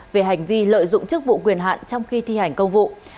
về hành vi lợi dụng chức vụ quyền hạn trong khi thi hành công vụ